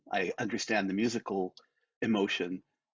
saya mengerti emosi musiknya